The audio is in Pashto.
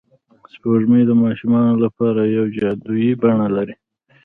سپوږمۍ د ماشومانو لپاره یوه جادويي بڼه لري